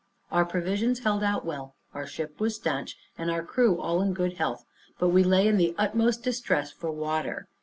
Our provisions held out well, our ship was stanch, and our crew all in good health; but we lay in the utmost distress for water.